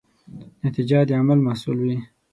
نتیجه د عمل محصول وي.